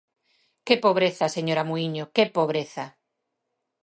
¡Que pobreza, señora Muíño!, ¡que pobreza!